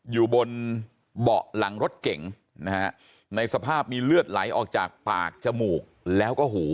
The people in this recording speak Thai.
อยู่บนเบาะหลังรถเก๋งนะฮะในสภาพมีเลือดไหลออกจากปากจมูกแล้วก็หู